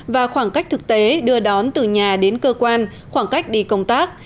và khoảng cách thực tế đưa đón từ nhà đến cơ quan khoảng cách đi công tác